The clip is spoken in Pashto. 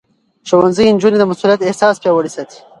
ښوونځی نجونې د مسؤليت احساس پياوړې ساتي.